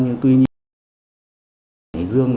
nhưng tuy nhiên